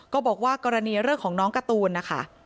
ก็บอกว่ากรณีเรื่องของน้องการ์ตูนนะคะ